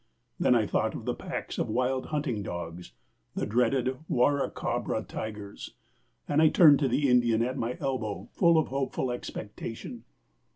Then I thought of the packs of wild hunting dogs, the dreaded 'warracabra tigers,' and I turned to the Indian at my elbow, full of hopeful expectation.